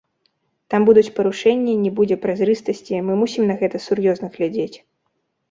Там будуць парушэнні, не будзе празрыстасці, мы мусім на гэта сур'ёзна глядзець.